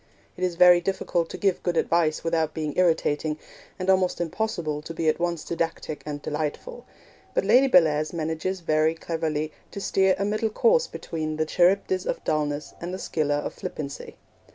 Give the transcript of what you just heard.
It is very difficult to give good advice without being irritating, and almost impossible to be at once didactic and delightful; but Lady Bellairs manages very cleverly to steer a middle course between the Charybdis of dulness and the Scylla of flippancy.